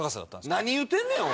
何言うてんねん！